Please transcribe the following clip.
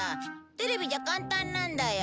テレビじゃ簡単なんだよ。